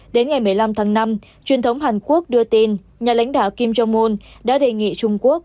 đến ngày một mươi năm tháng năm truyền thống hàn quốc đưa tin nhà lãnh đạo kim jong moon đã đề nghị trung quốc